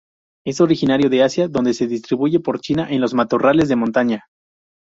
Es originario de Asia donde se distribuye por China en los matorrales de montaña.